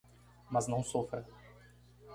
Mas não sofra.